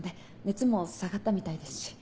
熱も下がったみたいですし。